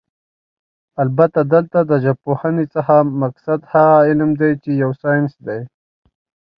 البته دلته له ژبپوهنې څخه مقصد هغه علم دی چې يو ساينس دی